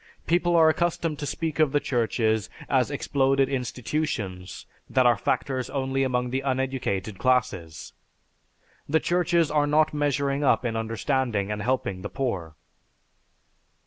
People are accustomed to speak of the churches as exploded institutions that are factors only among the uneducated classes. The churches are not measuring up in understanding and helping the poor."